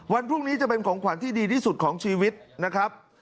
วันพรุ่งนี้จะเป็นของขวัญที่ดีที่สุดของชีวิตนะครับ